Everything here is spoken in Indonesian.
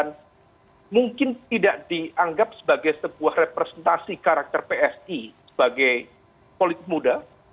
yang mungkin tidak dianggap sebagai sebuah representasi karakter psi sebagai politik muda